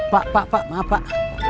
pak pak pak maaf pak